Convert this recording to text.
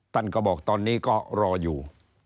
ท่านก็บอกตอนนี้ก็รออยู่